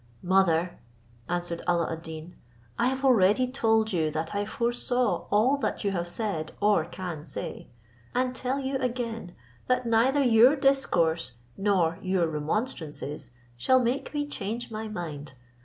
"Mother," answered Alla ad Deen, "I have already told you that I foresaw all that you have said, or can say: and tell you again, that neither your discourse nor your remonstrances shall make me change my mind.